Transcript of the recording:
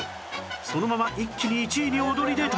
そのまま一気に１位に躍り出た